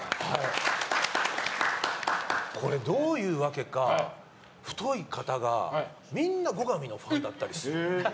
これ、どういうわけか太い方がみんな後上のファンだったりする。